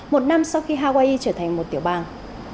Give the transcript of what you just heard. một năm sau khi hawaii trở thành một tiểu bang